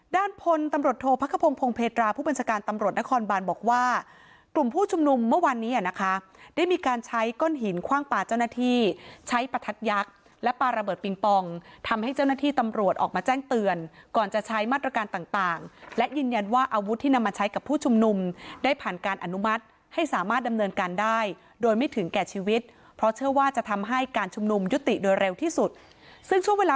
ด้านพนตำรวจโทษพระคพงภงเพศราผู้บัญชาการตำรวจนครบานบอกว่ากลุ่มผู้ชุมนุมเมื่อวานนี้นะคะได้มีการใช้ก้นหินคว่างป่าเจ้าหน้าที่ใช้ประทัดยักษ์และปาระเบิดปิงปองทำให้เจ้าหน้าที่ตำรวจออกมาแจ้งเตือนก่อนจะใช้มาตรการต่างและยืนยันว่าอาวุธที่นำมาใช้กับผู้ชุมนุมได้ผ่านการอนุมัติให้ส